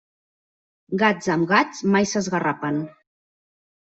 Gats amb gats mai s'esgarrapen.